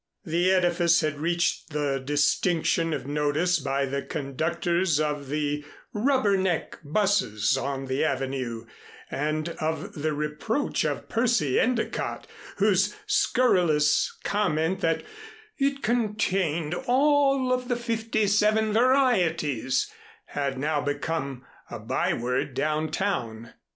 The edifice had reached the distinction of notice by the conductors of the "rubber neck" busses on the Avenue and of the reproach of Percy Endicott, whose scurrilous comment that "it contained all of the fifty seven varieties" had now become a by word down town.